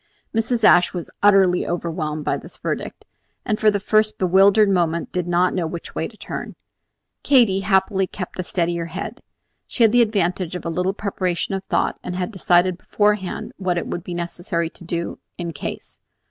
Mrs. Ashe was utterly overwhelmed by this verdict, and for the first bewildered moments did not know which way to turn. Katy, happily, kept a steadier head. She had the advantage of a little preparation of thought, and had decided beforehand what it would be necessary to do "in case."